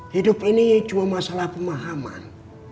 hidup ini cuma masalah pemahaman